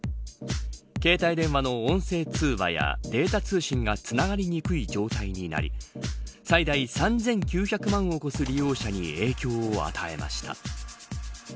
携帯電話の音声通話やデータ通信がつながりにくい状態になり最大３９００万を超す利用者に影響を与えました。